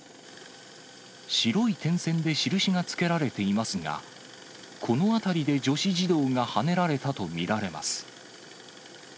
白い点線で印がつけられていますが、この辺りで女子児童がはねられたと見られます。